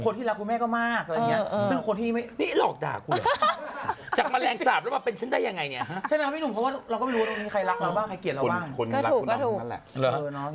เรียกถึงกินไหน